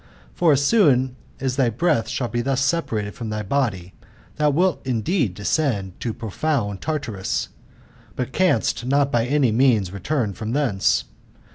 For as soon as thy" breath shall be thus separated from thy body, thou wilt indeed descend to profound Tartarus, but canst hot t^ afiy means return from thence.